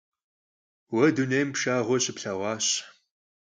Vue dunêym pşşağue şıplheğuaş.